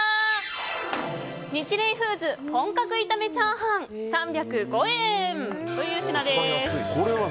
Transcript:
ニチレイフーズ、本格炒め炒飯３０５円という品です。